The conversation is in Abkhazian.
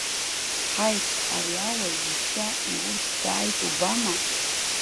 Ҳаит, ари ауаҩ ишьа иурц дааит убама!